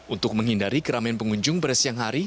untuk menghindari keramaian pengunjung pada siang hari